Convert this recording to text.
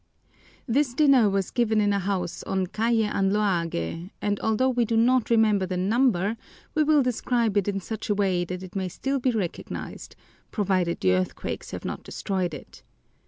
This dinner was given in a house on Calle Anloague, and although we do not remember the number we will describe it in such a way that it may still be recognized, provided the earthquakes have not destroyed it.